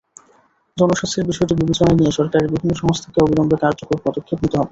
জনস্বাস্থ্যের বিষয়টি বিবেচনায় নিয়ে সরকারের বিভিন্ন সংস্থাকে অবিলম্বে কার্যকর পদক্ষেপ নিতে হবে।